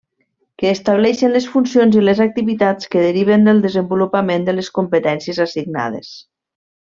Que estableixen les funcions i les activitats que deriven del desenvolupament de les competències assignades.